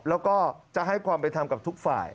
แล้วก็จะให้ความเป็นธรรมกับทุกฝ่าย